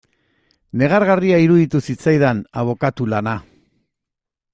Negargarria iruditu zitzaidan abokatu lana.